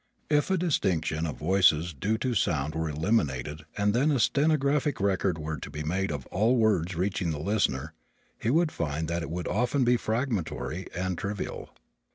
If distinction of voices due to sound were eliminated and then a stenographic record were to be made of all words reaching the listener he would find that it would often be fragmentary and trivial.